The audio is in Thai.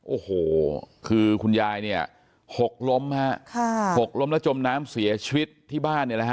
โอ้โหคือคุณยายเนี่ยหกล้มฮะค่ะหกล้มแล้วจมน้ำเสียชีวิตที่บ้านเนี่ยนะฮะ